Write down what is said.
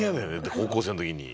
高校生の時に。